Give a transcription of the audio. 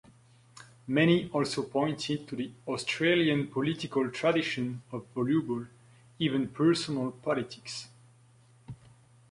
Many also pointed to the Australian political tradition of voluble, even personal, politics.